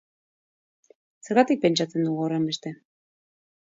Zergatik pentsatzen dugu horrenbeste?